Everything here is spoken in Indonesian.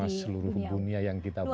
semua seluruh dunia yang kita punya